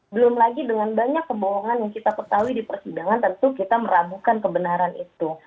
belum lagi dengan banyak kebohongan yang kita ketahui di persidangan tentu kita meragukan kebenaran itu